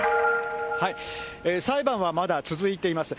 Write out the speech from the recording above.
裁判はまだ続いています。